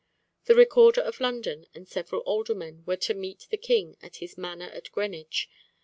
The Recorder of London and several aldermen were to meet the King at his manor at Greenwich.